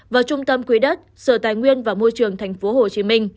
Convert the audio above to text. và trung tâm quỹ đất sở tài nguyên và môi trường tp hcm